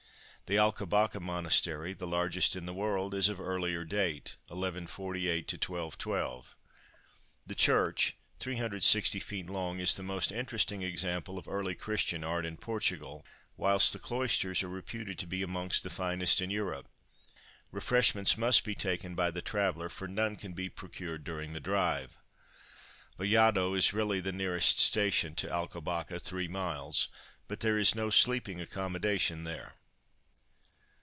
The Alcobaça Monastery, the largest in the world, is of earlier date (1148 1222). The ch., 360 ft. long, is the most interesting example of early Christian art in Portugal, whilst the cloisters are reputed to be amongst the finest in Europe. Refreshments must be taken by the traveller, for none can be procured during the drive. Vallado is really the nearest station to Alcobaça (3m.), but there is no sleeping accommodation there.